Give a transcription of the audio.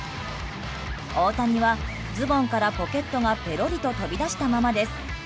大谷はズボンからポケットがぺろりと飛び出したままです。